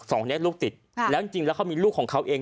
สองคนนี้ลูกติดแล้วจริงแล้วเขามีลูกของเขาเอง